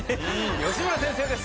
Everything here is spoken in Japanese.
吉村先生です！